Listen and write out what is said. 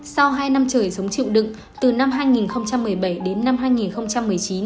sau hai năm trời sống chịu đựng từ năm hai nghìn một mươi bảy đến năm hai nghìn một mươi chín